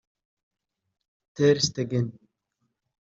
Ter Stegen